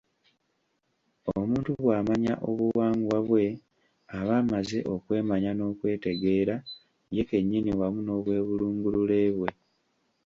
Omuntu bw’amanya obuwangwa bwe aba amaze okwemanya n’okwetegeera ye kennyini wamu n’Obwebulungulule bwe.